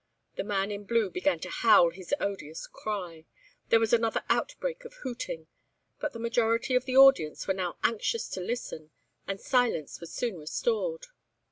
The man in blue began to howl his odious cry. There was another outbreak of hooting; but the majority of the audience were now anxious to listen, and silence was soon restored.